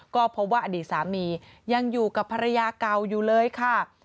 ก็พบว่าอดีตสามียังอยู่กับภรรยาเก่าอยู่เลยค่ะ